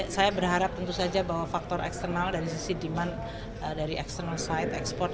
saya berharap tentu saja bahwa faktor eksternal dari sisi demand dari external side export